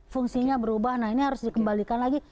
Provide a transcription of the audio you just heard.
fungsinya berubah nah ini harus dikembalikan lagi